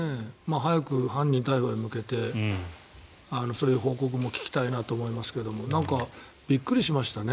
早く犯人逮捕へ向けてそういう報告も聞きたいと思いますけどびっくりしましたね。